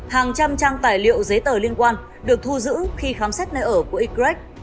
hàng trăm trang tài liệu giấy tờ liên quan được thu giữ khi khám xét nơi ở của ygrec